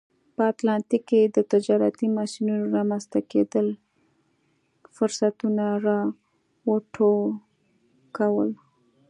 په اتلانتیک کې د تجارتي مسیرونو رامنځته کېدل فرصتونه را وټوکول.